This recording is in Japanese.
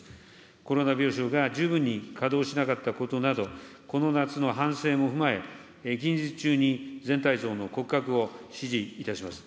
コロナ病床が十分に稼働しなかったことなど、この夏の反省も踏まえ、近日中に全体像の骨格を指示いたします。